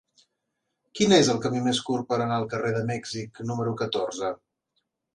Quin és el camí més curt per anar al carrer de Mèxic número catorze?